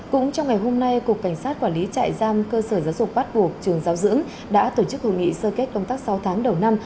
cũng trong ngày hôm nay cục cảnh sát quản lý trại giam cơ sở giáo dục bắt buộc trường giáo dưỡng đã tổ chức hội nghị sơ kết công tác sáu tháng đầu năm